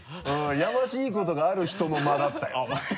やましいことがある人の間だったよ。